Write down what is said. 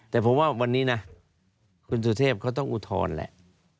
แต่ผมว่าวันนี้นะคุณสุเทพเขาต้องอุทธรณ์แหละ